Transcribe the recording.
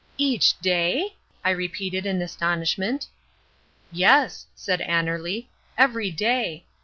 "Each day?" I repeated in astonishment. "Yes," said Annerly, "every day.